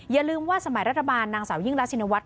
อย่าลืมว่าสมัยรัฐบาลนางสาวยิ่งรักชินวัฒ